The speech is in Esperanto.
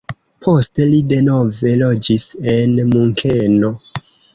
Poste li denove loĝis en Munkeno.